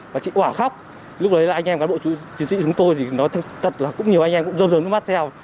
và chị quả khóc lúc đấy là anh em cán bộ chiến sĩ chúng tôi thì nó thật là cũng nhiều anh em cũng rơm rơm mắt theo